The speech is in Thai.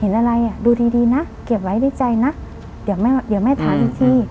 อะไรอ่ะดูดีดีนะเก็บไว้ในใจนะเดี๋ยวแม่เดี๋ยวแม่ถามอีกที